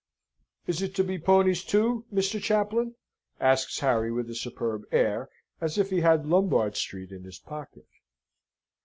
"Is it to be ponies too, Mr. Chaplain?" asks Harry with a superb air, as if he had Lombard Street in his pocket.